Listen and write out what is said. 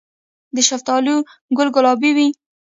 د شفتالو ګل ګلابي وي؟